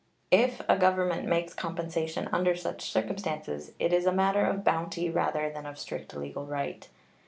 If a government makes compensation under such circumstances, it is a matter of bounty rather than of strict legal right.